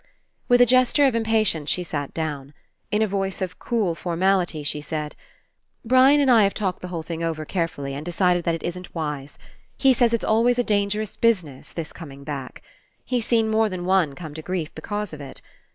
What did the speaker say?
With a gesture of impatience she sat down. In a voice of cool formality, she said: ii8 RE ENCOUNTER ''Brian and I have talked the whole thing over carefully and decided that it isn't wise. He says it's always a dangerous business, this com ing back. He's seen more than one come to grief because of it.